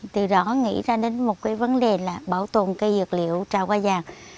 từ đó nghĩ ra đến một cái vấn đề là bảo tồn cây dược liệu trào hoa vàng